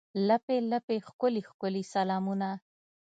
لپې، لپې ښکلي، ښکلي سلامونه